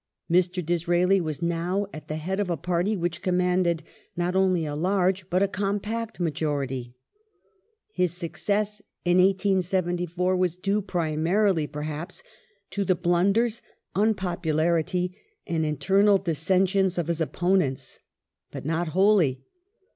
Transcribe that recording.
Mr. Disraeli was now at the head of a party which commanded not only a large but a compact majority. His success in 1874 was due, primarily perhaps, to the blunders, unpopularity, and internal dissensions of his opponents. But not wholly.